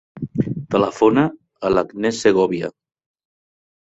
Telefona a l'Agnès Segovia.